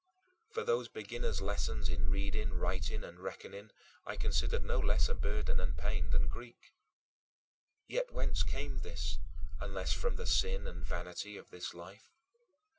For those beginner's lessons in reading, writing, and reckoning, I considered no less a burden and pain than Greek. Yet whence came this, unless from the sin and vanity of this life?